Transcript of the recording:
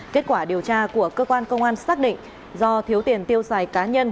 kết quả điều tra của cơ quan công an xác định do thiếu tiền tiêu xài cá nhân